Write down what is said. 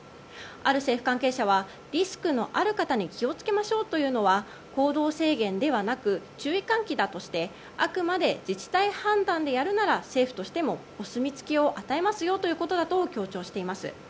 ある政府関係者はリスクのある方に気を付けましょうというのは行動制限ではなく注意喚起だとしてあくまで自治体範囲でやるなら政府としてもお墨付きを与えますよということだと強調しています。